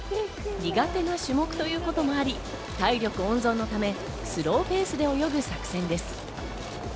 苦手な種目ということもあり、体力温存のため、スローペースで泳ぐ作戦です。